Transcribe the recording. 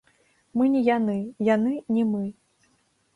Мы не яны, яны не мы.